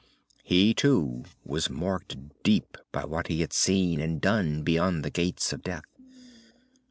He, too, was marked deep by what he had seen and done, beyond the Gates of Death.